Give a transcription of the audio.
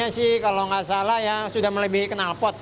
saya sih kalau nggak salah ya sudah melebihi kenal pot